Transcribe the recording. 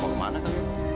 mau ke mana kak